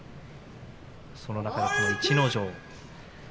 その中で逸ノ城。